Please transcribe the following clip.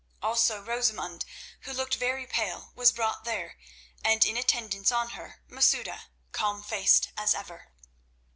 Also Rosamund, who looked very pale, was brought there, and in attendance on her Masouda, calm faced as ever.